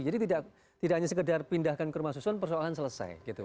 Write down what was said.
jadi tidak hanya sekedar pindahkan ke rumah susun persoalan selesai gitu